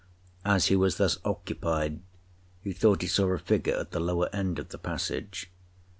As he was thus occupied, he thought he saw a figure at the lower end of the passage.